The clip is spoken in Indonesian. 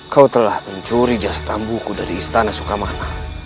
kau telah mencuri jas tambuku dari istana sukamana